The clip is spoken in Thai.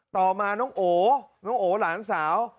ต่อมาน้องโอน้องโอหลานสาว